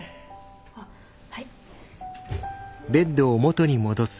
あっはい。